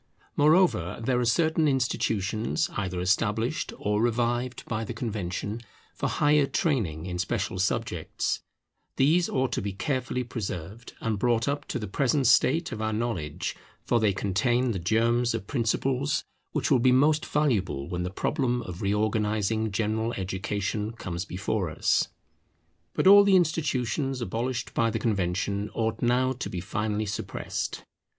Moreover, there are certain institutions either established or revived by the Convention for higher training in special subjects; these ought to be carefully preserved, and brought up to the present state of our knowledge, for they contain the germs of principles which will be most valuable when the problem of reorganizing general education comes before us. But all the institutions abolished by the Convention ought now to be finally suppressed.